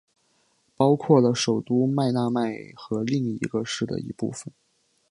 包括了首都麦纳麦和另一个市的一部份。